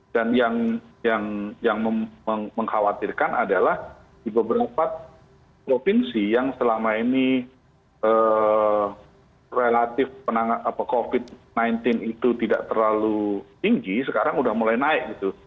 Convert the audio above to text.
dan yang mengkhawatirkan adalah di beberapa provinsi yang selama ini relatif covid sembilan belas itu tidak terlalu tinggi sekarang sudah mulai naik gitu